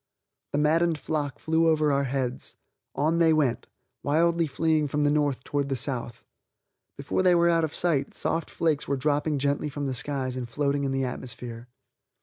The maddened flock flew over our heads; on they went, wildly fleeing from the north towards the south. Before they were out of sight, soft flakes were dropping gently from the skies and floating in the atmosphere.